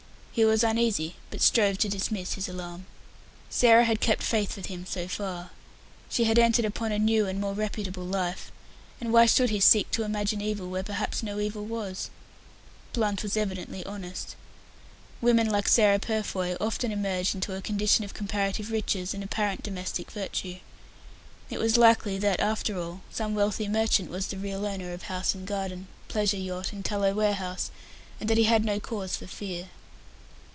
He was uneasy, but strove to dismiss his alarm. Sarah had kept faith with him so far. She had entered upon a new and more reputable life, and why should he seek to imagine evil where perhaps no evil was? Blunt was evidently honest. Women like Sarah Purfoy often emerged into a condition of comparative riches and domestic virtue. It was likely that, after all, some wealthy merchant was the real owner of the house and garden, pleasure yacht, and tallow warehouse, and that he had no cause for fear.